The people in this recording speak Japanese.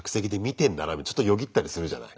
ちょっとよぎったりするじゃない？